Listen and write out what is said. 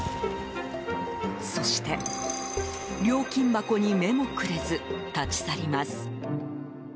そして、料金箱に目もくれず立ち去ります。